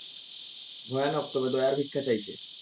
ভয়ানক তবে দয়ার ভীক্ষা চাইছে।